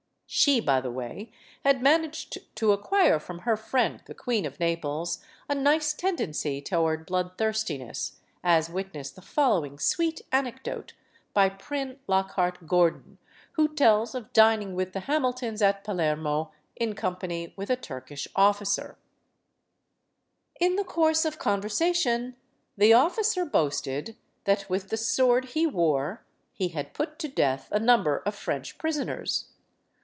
She, by the way, had managed to acquire from her friend, the Queen of Naples, a nice tendency toward blood thirstiness; as witness the following sweet anec dote by Pryne Lockhart Gordon, who tells of dining with the Hamiltons at Palermo, in company with a Turkish officer: In the course of conversation, the officer boasted that with the sword he wore he had put to death a number of French prisoners.